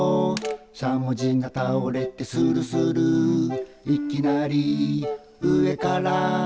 「しゃもじがたおれてするする」「いきなり上からおりてきた」